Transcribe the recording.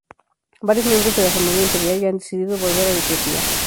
Varios miembros de la familia imperial ya han decidido volver a Etiopía.